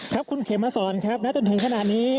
ครับคุณเขมมาสอนครับณจนถึงขนาดนี้